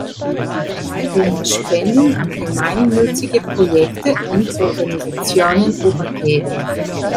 Hierbei werden Spenden an gemeinnützige Projekte und Organisationen übergeben.